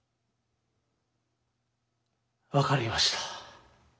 分かりました。